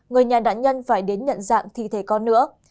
người nhà nạn nhân phải đến nhận dạng thi thể con nữa